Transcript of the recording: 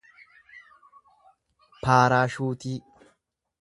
paarashuutii